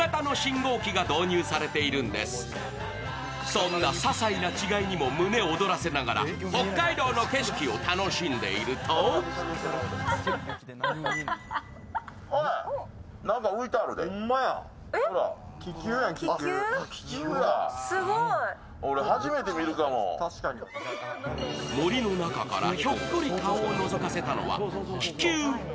そんな些細な違いにも胸躍らせながら北海道の景色を楽しんでいると森の中からひょっこり顔をのぞかせたのは、気球。